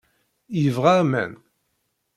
Yebɣa aman.